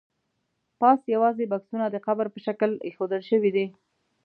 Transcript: پاس یوازې بکسونه د قبر په شکل ایښودل شوي دي.